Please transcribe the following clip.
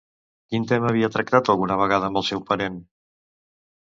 Quin tema havia tractat alguna vegada amb el seu parent?